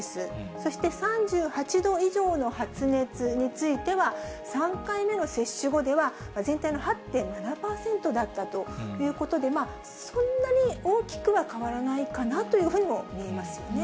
そして３８度以上の発熱については、３回目の接種後では全体の８．７％だったということで、そんなに大きくは変わらないかなというふうにも見えますよね。